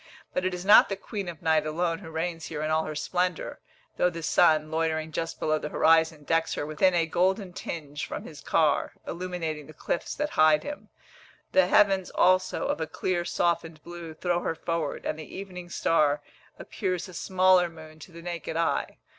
But it is not the Queen of Night alone who reigns here in all her splendour, though the sun, loitering just below the horizon, decks her within a golden tinge from his car, illuminating the cliffs that hide him; the heavens also, of a clear softened blue, throw her forward, and the evening star appears a smaller moon to the naked eye.